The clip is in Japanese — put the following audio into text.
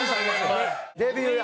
デビューや。